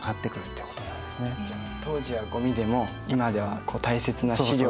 当時はゴミでも今では大切な史料。